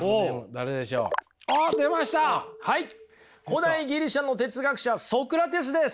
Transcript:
古代ギリシャの哲学者ソクラテスです！